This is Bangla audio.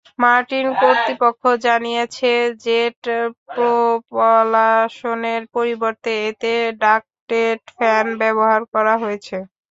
মার্টিন কর্তৃপক্ষ জানিয়েছে, জেট প্রপালশনের পরিবর্তে এতে ডাকটেড ফ্যান ব্যবহার করা হয়েছে।